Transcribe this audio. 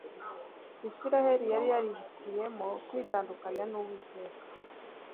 Isirayeli yari yarihitiyemo kwitandukanya nUwiteka